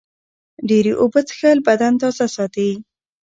ډېرې اوبه څښل بدن تازه ساتي.